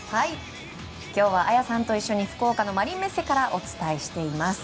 今日は綾さんと一緒に福岡のマリンメッセからお伝えしています。